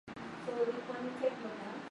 Amesongwa nywele zake